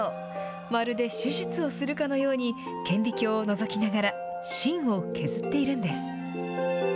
まるで手術をするかのように顕微鏡をのぞきながら芯を削っているんです。